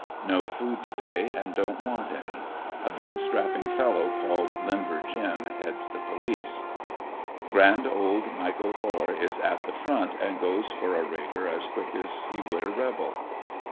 No food to day and don't want any. A big strapping fellow called Limber Jim heads the police. Grand old Michael Hoare is at the front and goes for a raider as quick as he would ^ rebel.